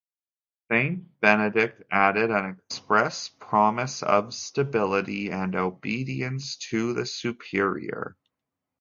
Saint Benedict added an express promise of stability, and obedience to the superior.